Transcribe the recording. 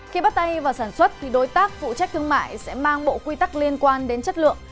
khi bắt tay vào sản xuất thì đối tác phụ trách thương mại sẽ mang bộ quy tắc liên quan đến chất lượng